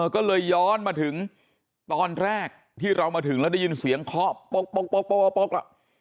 ก็เลยย้อนมาถึงตอนแรกที่เรามาถึงแล้วได้ยินเสียงเคาะโป๊กอ่ะ